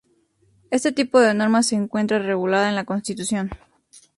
Este tipo de norma se encuentra regulada en la Constitución.